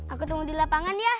aku tunggu di lapangan ya